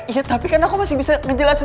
iya tapi kan aku masih bisa menjelasin